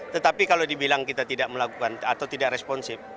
tetapi kalau dibilang kita tidak melakukan atau tidak responsif